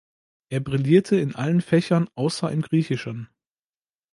Er brillierte in allen Fächern außer im Griechischen.